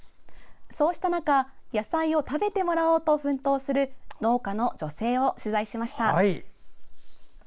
そうした中野菜を食べてもらおうと奮闘する農家の女性を取材しました。